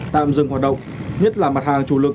tạm dừng hoạt động nhất là mặt hàng chủ lực